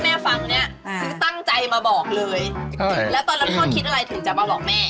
แล้วตอนนั้นพ่อคิดอะไรถึงจะมาบอกแม่